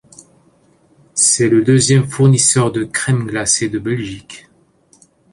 C'est le deuxième fournisseur de crème glacée de Belgique.